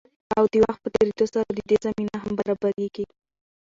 او د وخت په تېريدو سره د دې زمينه هم برابريږي.